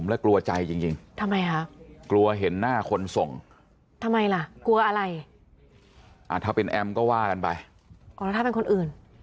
อะแล้วถ้าเป็นคนอื่น